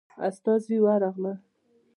استازي ورغلل.